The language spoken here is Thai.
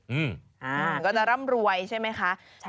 อืมอ่าก็จะร่ำรวยใช่ไหมคะ